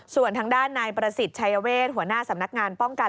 ส่วนทางด้านนายประสิทธิ์ชัยเวทหัวหน้าสำนักงานป้องกัน